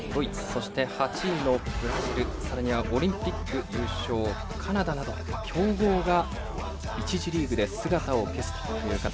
そして、８位のブラジルさらにはオリンピック優勝、カナダなど強豪が１次リーグで姿を消す形。